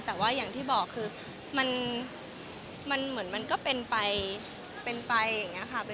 แต่ว่าอย่างที่บอกคือมันเหมือนมันก็เป็นไปตามธรรมชาติ